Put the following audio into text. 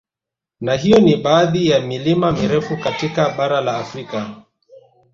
Na hiyo ni baadhi ya milima mirefu katika bara la Afrika